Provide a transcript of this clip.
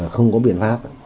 không có biện pháp